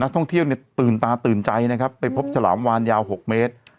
ท่องเที่ยวตื่นตาตื่นใจนะครับไปพบฉลามวานยาว๖เมตร